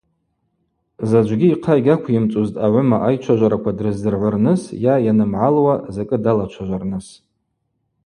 Заджвгьи йхъа йгьаквйымцӏузтӏ агӏвыма айчважвараква дрыздзыргӏвырныс йа йанымгӏалуа закӏы далачважварныс.